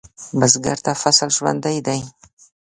بزګر ته فصل ژوند دی